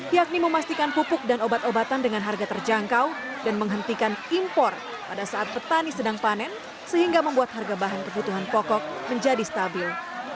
yakni memastikan pupuk dan obat obatan dengan harga terjangkau dan menghentikan impor pada saat petani sedang panen sehingga membuat harga bahan kebutuhan pokok menjadi stabil